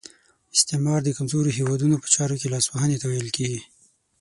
استعمار د کمزورو هیوادونو په چارو کې لاس وهنې ته ویل کیږي.